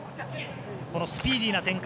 スピーディーな展開